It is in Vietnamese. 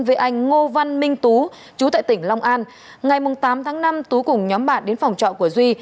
với anh ngô văn minh tú chú tại tỉnh long an ngày tám tháng năm tú cùng nhóm bạn đến phòng trọ của duy